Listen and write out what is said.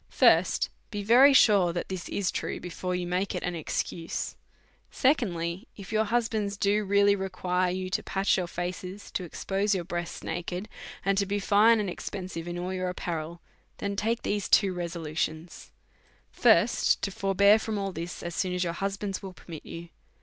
First, Be very sure that this is true^ before you make it an excuse. DEVOUT AND HOLY LIFE. 01 Secondly/, If your husbands do really require you to patch your faces, to expose your breasts naked, and to be fine and expensive in all your apparel, then take these two resolutions : First, To forbear from all this as soon as your hus bands Avill permit you.